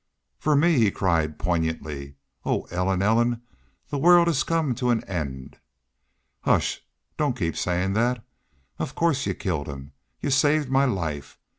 "For me!" he cried, poignantly. "Oh, Ellen! Ellen! the world has come to an end! ... Hush! don't keep sayin' that. Of course you killed him. You saved my life.